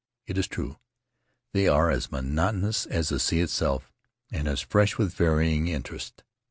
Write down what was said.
It is true. They are as monotonous as the sea itself and as fresh with varying interest.